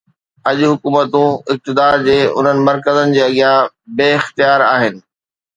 اڄ حڪومتون اقتدار جي انهن مرڪزن اڳيان بي اختيار آهن.